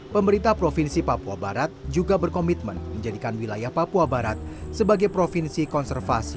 pemerintah provinsi papua barat juga berkomitmen menjadikan wilayah papua barat sebagai provinsi konservasi